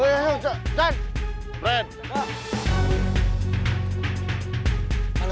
woy keluar lo